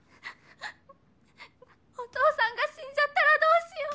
お父さんが死んじゃったらどうしよう。